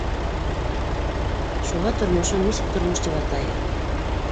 Шуға тормошон нисек тормош тип атайһың?